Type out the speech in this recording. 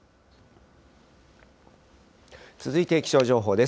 続いて、気象情報です。